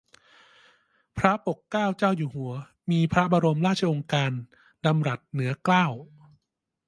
พระปกเกล้าเจ้าอยู่หัว มีพระบรมราชโองการดำรัสเหนือเกล้า